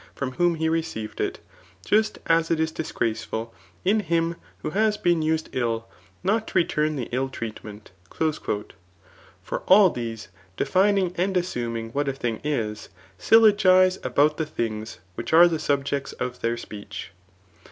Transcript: from whom he received it; just as it is disgraceful in him who has been used ill, not to return the ill treatment." For all these, defining and assuming what a thing is, syllogise about the thmgs which are the subjects of their speech.